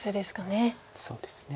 そうですね。